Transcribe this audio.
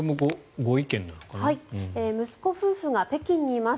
息子夫婦が北京にいます。